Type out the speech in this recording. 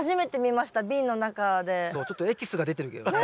ちょっとエキスが出てるけどね。